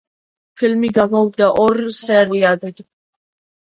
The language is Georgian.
ფილმი გამოვიდა ორ სერიად.